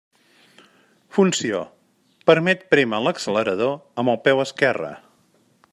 Funció: permet prémer l'accelerador amb el peu esquerre.